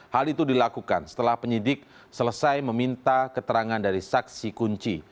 hal itu dilakukan setelah penyidik selesai meminta keterangan dari saksi kunci